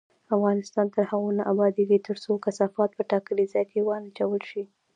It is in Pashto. افغانستان تر هغو نه ابادیږي، ترڅو کثافات په ټاکلي ځای کې ونه اچول شي.